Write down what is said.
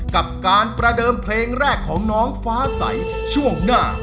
กับการประเดิมเพลงแรกของน้องฟ้าใสช่วงหน้า